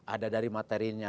ada dari materinya